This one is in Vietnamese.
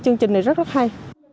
chương trình này rất rất hay